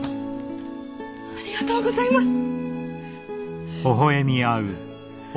ありがとうございます。